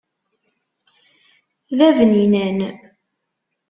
D abninan.